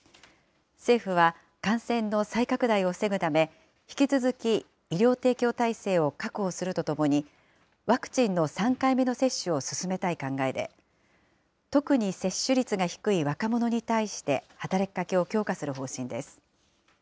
政府は感染の再拡大を防ぐため、引き続き、医療提供体制を確保するとともに、ワクチンの３回目の接種を進めたい考えで、特に接種率が低い若者に対して、働きかけを強化する方針です。